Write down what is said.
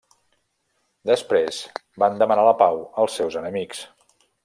Després van demanar la pau als seus enemics.